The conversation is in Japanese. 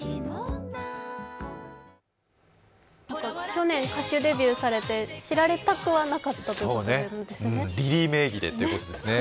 去年歌手デビューされて、知られたくはなかったというこですね。